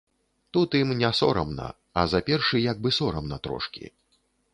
Тут ім не сорамна, а за першы як бы сорамна трошкі.